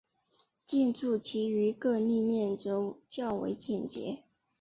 建筑其余各立面则较为简洁。